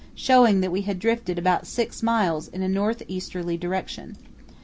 showing that we had drifted about six miles in a north easterly direction.